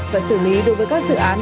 và xử lý đối với các dự án